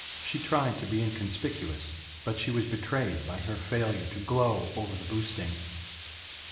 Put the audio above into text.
She tried to be inconspicuous, but she was betrayed by her failure to glow over the boosting.